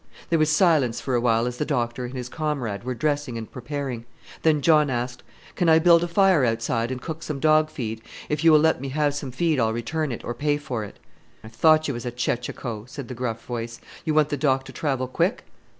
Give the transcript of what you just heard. There was silence for a while as the doctor and his comrade were dressing and preparing; then John asked, "Can I build a fire outside and cook some dog feed? If you will let me have some feed I'll return it, or pay for it." "I thought you was a chechacho!" said the gruff voice. "You want the Doc to travel quick?"